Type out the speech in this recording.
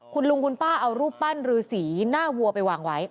คุณลุงคุณป้าเอารูปปั้นรือสีหน้าวัวไปวางไว้